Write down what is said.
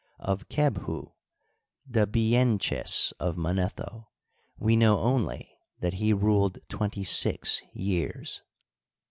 Of Kebhu, the Bienches of Manetho, we know only that he ruled twenty six years.